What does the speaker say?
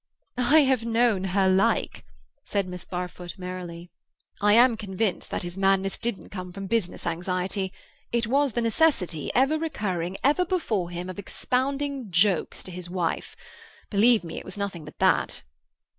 "I have known her like," said Miss Barfoot merrily. "I am convinced his madness didn't come from business anxiety. It was the necessity, ever recurring, ever before him, of expounding jokes to his wife. Believe me, it was nothing but that."